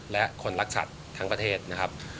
และคนรักสัตว์ทั้งประเทศนะครับ